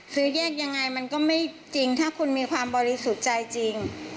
ซื้อแยกยังไงมันก็ไม่จริงถ้าคุณมีความบริสุทธิ์ใจจริง